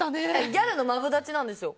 ギャルのマブダチなんですよ。